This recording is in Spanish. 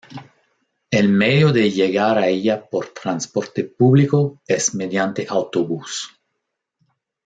El medio de llegar a ella por transporte público es mediante autobús.